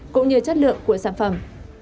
cũng như chất lượng của sản phẩm